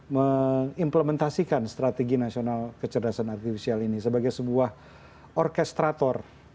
mengimplementasikan strategi nasional kecerdasan artifisial ini sebagai sebuah orkestrator